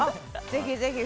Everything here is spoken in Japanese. ぜひぜひ。